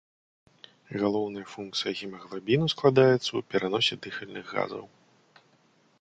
Галоўная функцыя гемаглабіну складаецца ў пераносе дыхальных газаў.